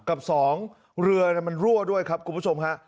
กับ๒เรือมันรั่วด้วยครับคุณผู้ชมฮะ